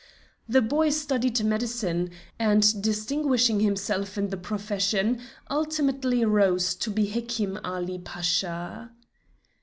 The boy studied medicine, and distinguishing himself in the profession ultimately rose to be Hekim Ali Pasha.